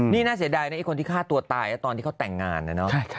นี่น่าเสียดายนะไอ้คนที่ฆ่าตัวตายนะตอนที่เขาแต่งงานนะเนอะ